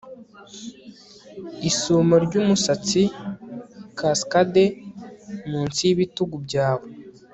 isumo ry'umusatsi kaskade munsi y'ibitugu byawe